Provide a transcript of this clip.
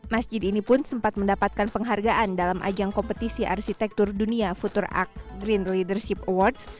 masjid ini pun sempat mendapatkan penghargaan dalam ajang kompetisi arsitektur dunia futurak green leadership awards